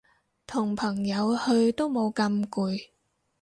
同朋友去都冇咁攰